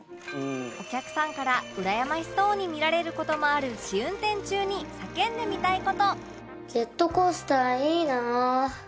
お客さんからうらやましそうに見られる事もある試運転中に叫んでみたい事